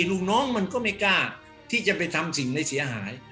ลูกน้องมันก็ไม่กล้าที่จะไปทำสิ่งในเสียหาย